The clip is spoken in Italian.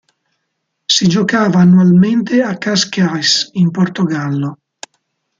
Si giocava annualmente a Cascais in Portogallo.